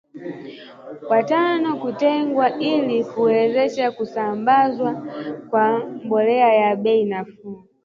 watano kutengwa ili kuwezesha kusambazwa kwa mbolea ya bei nafuu